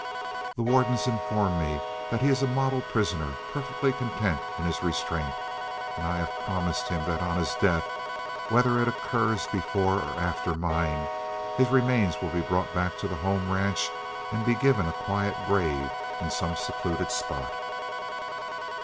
The wardens inform me that he is a model prisoner, perfectly content in his restraint; and I have promised him that on his death, whether it occurs before or after mine, his remains will be brought back to the home ranch and be given a quiet grave in some secluded spot.